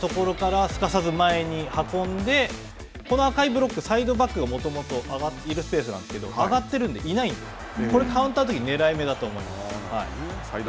そして、奪ったところからすかさず前に運んでこの赤いブロックサイドバックがもともといるスペースなんですけど、上がってるので、いないのでこれ、カウンターのときねらい目だと思います。